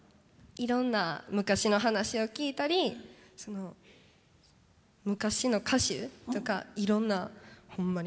いろんな昔の話を聞いたり昔の歌手とか、いろんな。